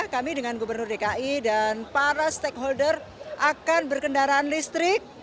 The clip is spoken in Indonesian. kami dengan gubernur dki dan para stakeholder akan berkendaraan listrik